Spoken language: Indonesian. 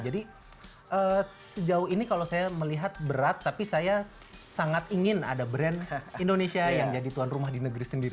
jadi sejauh ini kalau saya melihat berat tapi saya sangat ingin ada brand indonesia yang jadi tuan rumah di negeri sendiri